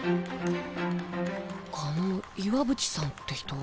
あの岩渕さんって人。